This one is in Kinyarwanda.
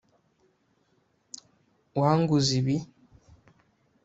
wanguze ibi